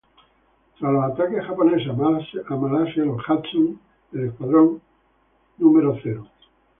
Tras los ataques japoneses a Malasia, los Hudson del Escuadrón No.